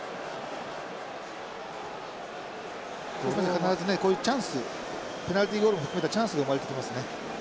必ずねこういうチャンスペナルティーゴールも含めたチャンスが生まれてきますね。